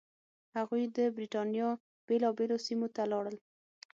هغوی د برېټانیا بېلابېلو سیمو ته لاړل.